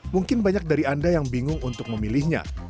mungkin banyak dari anda yang bingung untuk memilihnya